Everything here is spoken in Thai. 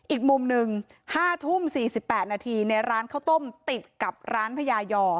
อีกมุมหนึ่ง๕ทุ่ม๔๘นาทีในร้านข้าวต้มติดกับร้านพญายอ